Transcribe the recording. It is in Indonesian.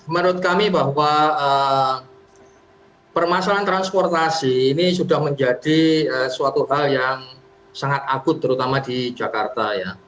menurut kami bahwa permasalahan transportasi ini sudah menjadi suatu hal yang sangat akut terutama di jakarta ya